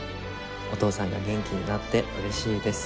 「お父さんが元気になってうれしいです」